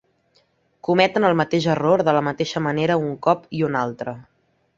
Cometen el mateix error de la mateixa manera un cop i un altre.